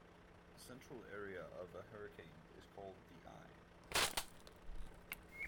The central area of a hurricane is called the eye